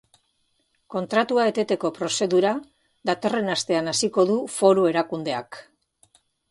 Kontratua eteteko prozedura datorren astean hasiko du foru erakundeak.